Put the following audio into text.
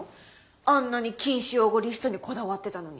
あんなに「禁止用語リスト」にこだわってたのに。